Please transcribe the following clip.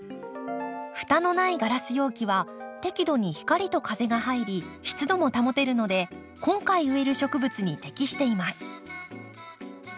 蓋のないガラス容器は適度に光と風が入り湿度も保てるので今回植える植物に適しています。